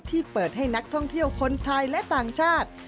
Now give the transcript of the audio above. ที่เปิดให้นักท่องเที่ยวคนไทยและต่างชาติ